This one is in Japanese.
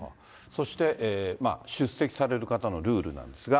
そして、出席される方のルールなんですが。